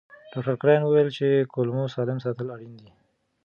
ډاکټر کراین وویل چې کولمو سالم ساتل اړین دي.